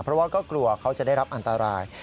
เพราะว่าก็กลัวเขาจะได้รับอันตราย